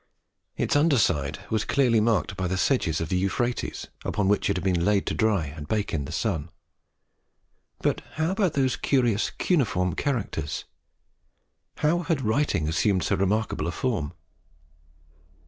Its under side was clearly marked by the sedges of the Euphrates upon which it had been laid to dry and bake in the sun. But how about those curious cuneiform characters? How had writing assumed so remarkable a form?